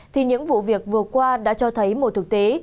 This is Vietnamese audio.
thì những vụ việc vừa qua đã cho thấy một thực tế